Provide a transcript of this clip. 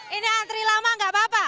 ini antri lama gak apa apa